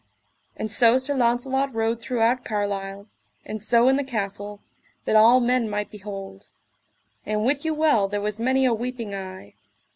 And so Sir Launcelot rode throughout Carlisle, and so in the castle, that all men might behold; and wit you well there was many a weeping eye.